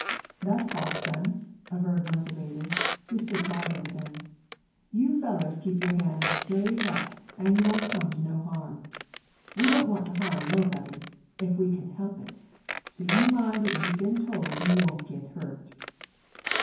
"That's hoss sense," averred one of the raiders, who stood guard over them. "You fellers keep yer hands straight up, and you won't come to no harm. We don't want to harm nobody, ef we kin help it, so you mind what ye've been told and ye won't git hurt."